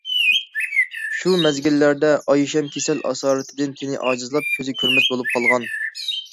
شۇ مەزگىللەردە ئايشەم كېسەل ئاسارىتىدىن تېنى ئاجىزلاپ، كۆزى كۆرمەس بولۇپ قالغان.